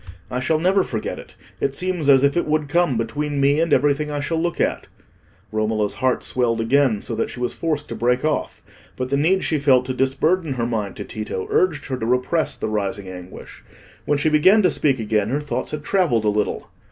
I shall never forget it; it seems as if it would come between me and everything I shall look at." Romola's heart swelled again, so that she was forced to break off. But the need she felt to disburden her mind to Tito urged her to repress the rising anguish. When she began to speak again, her thoughts had travelled a little.